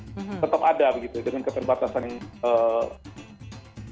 tetap ada begitu dengan keterbatasan